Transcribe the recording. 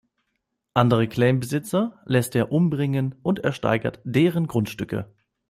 Andere Claim-Besitzer lässt er umbringen und ersteigert deren Grundstücke.